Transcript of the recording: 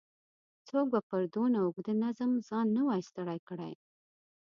څوک به پر دونه اوږده نظم ځان نه وای ستړی کړی.